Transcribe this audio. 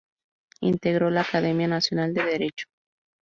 Integró la Academia Nacional de Derecho.